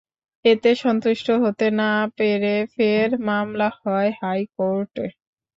এতে সন্তুষ্ট হতে না পেরে ফের মামলা হয় হাইকোর্টে।